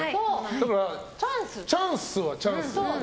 だからチャンスはチャンスですよ。